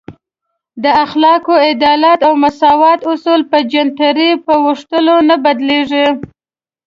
د اخلاقو، عدالت او مساوات اصول په جنترۍ په اوښتلو نه بدلیږي.